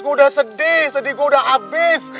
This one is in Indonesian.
gua udah sedih sedih gua udah abis